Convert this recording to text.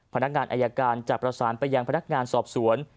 พนักงานอายการจะประสานไปยังพนักงานสอบสวน